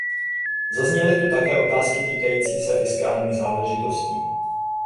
Zazněly tu také otázky týkající se fiskálních záležitostí.